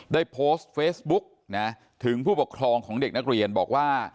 ได้โพสต์เฟซบุ๊กนะถึงผู้ปกครองของเด็กนักเรียนบอกว่า